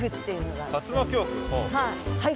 はい。